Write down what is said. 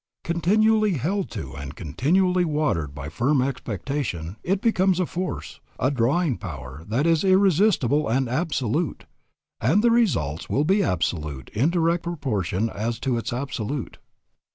Continually held to and continually watered by firm expectation, it becomes a force, a drawing power, that is irresistible and absolute, and the results will be absolute in direct proportion as it is absolute.